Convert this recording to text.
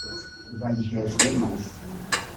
bayihejwemo